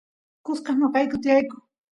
kusqas noqayku tiyayku